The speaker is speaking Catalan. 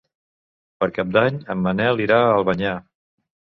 Per Cap d'Any en Manel irà a Albanyà.